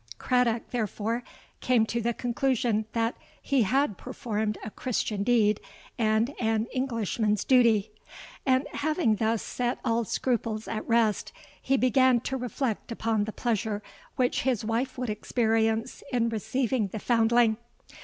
Craddock therefore came to the conclusion that he had performed a Christian deed and an Englishman's duty; and, having thus set all scruples at rest, he began to reflect upon the pleasure which his wife would experience in receiving the foundling.